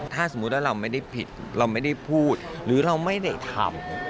ถ้าสมมุติว่าเราไม่ได้ผิดเราไม่ได้พูดหรือเราไม่ได้ทำ